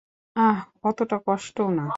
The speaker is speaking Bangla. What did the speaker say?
আহ, অতটা কষ্টও না।